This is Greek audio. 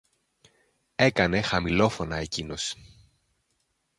έκανε χαμηλόφωνα εκείνος